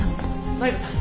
マリコさん